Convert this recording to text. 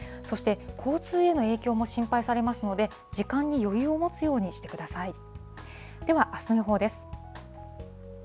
そして交通への影響も心配されますので、時間に余裕を持つようにしてください。